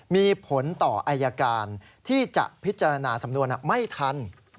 มีผลต่ออายการที่จะพิจารณาสำนวนไม่ทัน